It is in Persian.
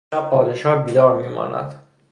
امشب پادشاه بیدار می ماند.